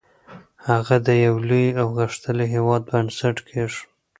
هغه د یو لوی او غښتلي هېواد بنسټ کېښود.